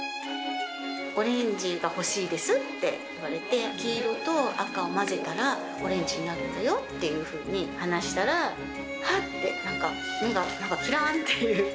オレンジが欲しいですって言われて、黄色と赤を混ぜたら、オレンジになるんだよっていうふうに話したら、はって、なんか、目がなんか、きらんっていう。